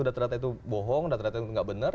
data data itu bohong data data itu enggak benar